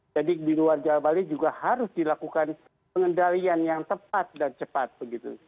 jadi di luar jawa bali juga harus dilakukan pengendalian yang tepat dan cepat begitu